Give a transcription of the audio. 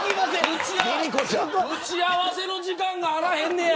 打ち合わせの時間があらへんねや。